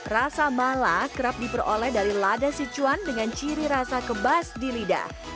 rasa mala kerap diperoleh dari lada sichuan dengan ciri rasa kebas di lidah